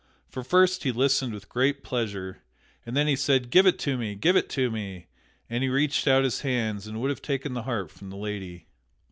For first he listened with great pleasure, and then he said, "Give it to me! Give it to me!" and he reached out his hands and would have taken the harp from the lady.